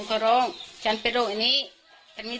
ก็เลยหาทางนี้